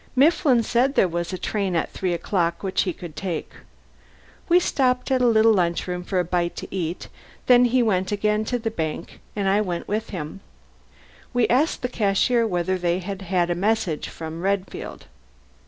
Mifflin said there was a train at three o'clock which he could take. We stopped at a little lunch room for a bite to eat, then he went again to the bank, and I with him. We asked the cashier whether they had had a message from Redfield.